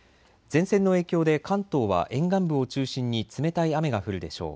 前線の影響で関東は沿岸部を中心に冷たい雨が降るでしょう。